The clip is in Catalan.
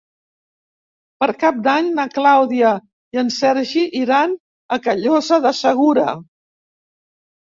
Per Cap d'Any na Clàudia i en Sergi iran a Callosa de Segura.